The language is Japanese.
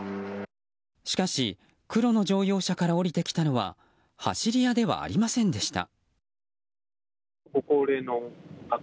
しかし、黒の乗用車から降りてきたのは走り屋ではありませんでした。